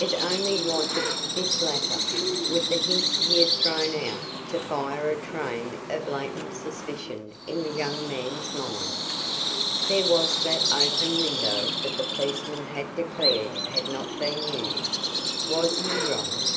It only wanted this latter, with the hints he had thrown out, to fire a train of latent suspicion in the young man's mind. There was that open window that the policeman had declared had not been used. Was he wrong?